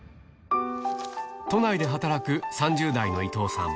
都内で働く３０代の伊藤さん。